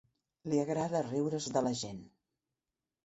Li agrada riure's de la gent.